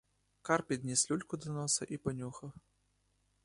Кар підніс люльку до носа і понюхав.